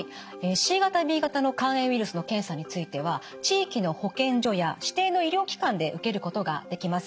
Ｃ型Ｂ型の肝炎ウイルスの検査については地域の保健所や指定の医療機関で受けることができます。